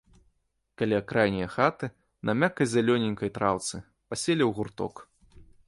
Каля крайняе хаты, на мяккай зялёненькай траўцы, паселі ў гурток.